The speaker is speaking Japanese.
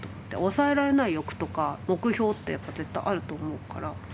抑えられない欲とか目標ってやっぱ絶対あると思うから。